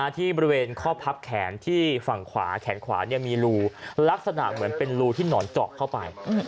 ที่บริเวณข้อพับแขนที่ฝั่งขวาแขนขวามีรูลักษณะเหมือนเป็นรูที่หนอนเจาะเข้าไป